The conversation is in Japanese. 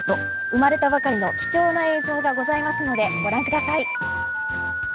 生まれたばかりの貴重な映像がございますのでご覧ください。